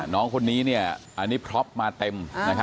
น้องคนนี้อันนี้พร็อปมาเต็ม